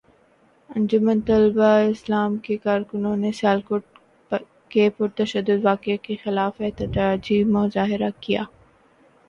انجمن طلباء اسلام کے کارکنوں نے سیالکوٹ کے پرتشدد واقعے کے خلاف احتجاجی مظاہرہ کیا